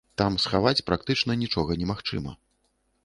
Там схаваць практычна нічога немагчыма.